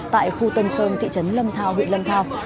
tại khu tân sơn thị trấn lâm thao huyện lâm thao